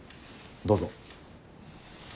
どうぞ。